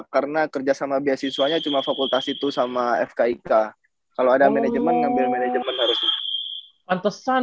karena kerja sama beasiswanya cuma fakultas itu sama fkik kalau ada manajemen ngambil manajemen harusnya